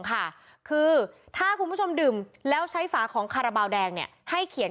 ค่ะคือถ้าคุณผู้ชมดื่มแล้วใช้ฝาของคาราบาลแดงเนี่ยให้เขียน